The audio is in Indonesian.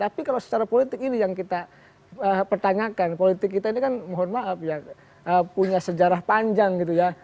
tapi kalau secara politik ini yang kita pertanyakan politik kita ini kan mohon maaf ya punya sejarah panjang gitu ya